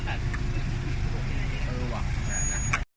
ก็ดีครับ